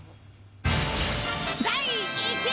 第１位。